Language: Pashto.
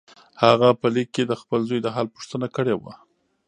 هغه په لیک کې د خپل زوی د حال پوښتنه کړې وه.